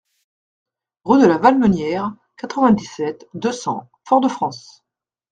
Rue de la Valmenière, quatre-vingt-dix-sept, deux cents Fort-de-France